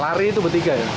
lari itu bertiga ya